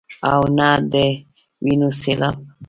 او نۀ د وينو سيلاب ،